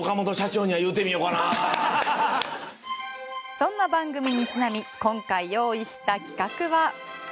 そんな番組にちなみ今回用意した企画は。